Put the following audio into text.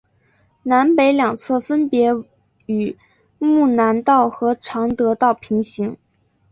南北两侧分别与睦南道和常德道平行。